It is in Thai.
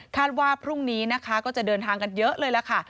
ว่าพรุ่งนี้นะคะก็จะเดินทางกันเยอะเลยล่ะค่ะ